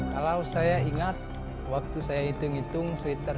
kalau saya ingat waktu saya hitung hitung sekitar dua puluh sembilan belas